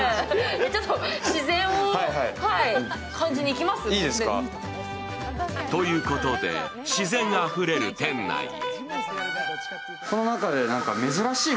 いいですか。ということで自然あふれる店内へ。